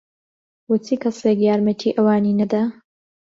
بۆچی کەسێک یارمەتیی ئەوانی نەدا؟